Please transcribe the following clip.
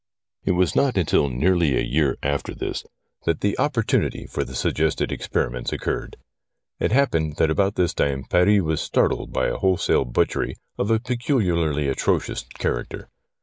It was not until nearly a year after this that the opportu SOME EXPERIMENTS WITH A HEAD 71 nity for the suggested experiments occurred. It happened that about this time Paris was startled by a wholesale butchery of a peculiarly atrocious character.